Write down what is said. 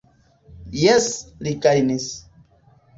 Jes, li gajnis.